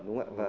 đúng không ạ